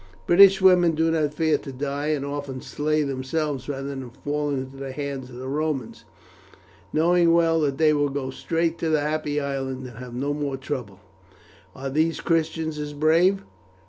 British women do not fear to die, and often slay themselves rather than fall into the hands of the Romans, knowing well that they will go straight to the Happy Island and have no more trouble. Are these Christians as brave?"